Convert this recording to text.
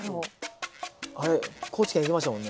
あれ高知県行きましたもんね。